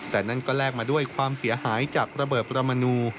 แต่นั่นก็แลกมาด้วยความเสียหายจากระเบิดประมนู